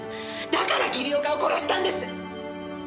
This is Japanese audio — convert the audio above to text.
だから桐岡を殺したんです！